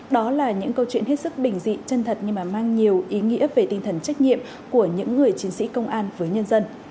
đó là những câu chuyện hết sức bình dị chân thật nhưng mà mang nhiều ý nghĩa về tinh thần trách nhiệm của những người chiến sĩ công an với nhân dân